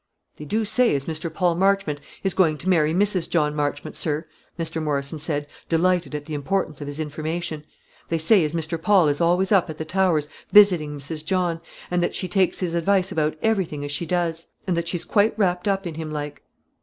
"They do say as Mr. Paul Marchmont is going to marry Mrs. John Marchmont, sir," Mr. Morrison said, delighted at the importance of his information. "They say as Mr. Paul is always up at the Towers visitin' Mrs. John, and that she takes his advice about everything as she does, and that she's quite wrapped up in him like."